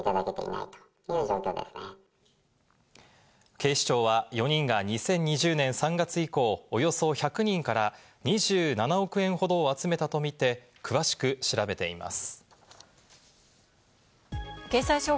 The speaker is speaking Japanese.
警視庁は４人が２０２０年３月以降、およそ１００人から２７億円ほどを集めたとみて詳しく調べています。